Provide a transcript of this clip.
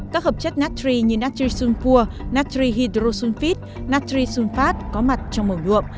các hợp chất natri như natri sunpur natri hydrosulfite natri sunfat có mặt trong mẫu nhuộm